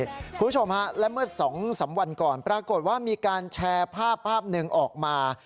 คุณผู้ชมฮะและเมื่อ๒๓วันก่อนปรากฏว่ามีการแชร์ภาพภาพหนึ่งออกมา